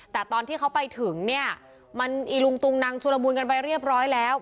แต่ตอนที่เขาไปถึงเนี่ยมันอีลุงตุงนังชุลมูลกันไปเรียบร้อยแล้ว